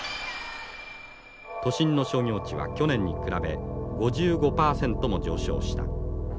「都心の商業地は去年に比べ５５％も上昇した」。